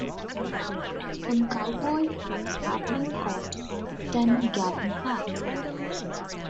Some cowboy hats have been called "ten-gallon" hats.